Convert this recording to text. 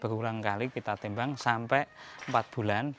berulang kali kita timbang sampai empat bulan